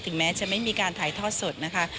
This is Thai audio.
แม้จะไม่มีการถ่ายทอดสดนะคะ